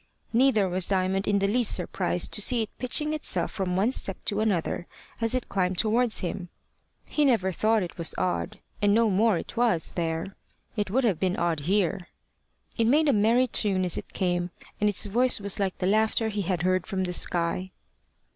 Neither was Diamond in the least surprised to see it pitching itself from one step to another as it climbed towards him: he never thought it was odd and no more it was, there. It would have been odd here. It made a merry tune as it came, and its voice was like the laughter he had heard from the sky.